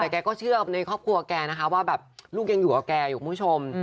แต่แกก็เชื่อในครอบครัวแกนะคะว่าแบบลูกยังอยู่กับแกอยู่คุณผู้ชม